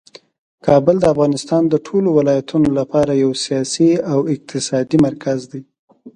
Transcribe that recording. کابل د افغانستان د ټولو ولایتونو لپاره یو سیاسي او اقتصادي مرکز دی.